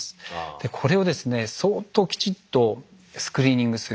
でこれをですね相当きちっとスクリーニングする。